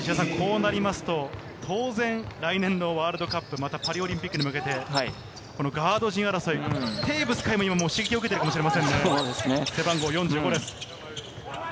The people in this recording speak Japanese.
こうなりますと、当然来年のワールドカップ、またパリオリンピックに向けて、ガード陣争い、テーブス海も刺激を受けてるかもしれませんね、背番号４５です。